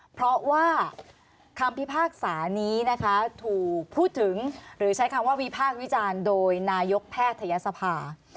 เพราะว่าคำพิพากษานี้นะคะถูกพูดถึงหรือใช้คำว่าวิพากษ์วิจารณ์โดยนายกแพทยศภา